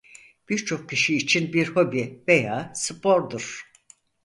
Birçok kişi için bir hobi veya spordur.